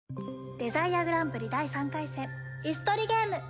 デザイアグランプリ第３回戦イス取りゲーム！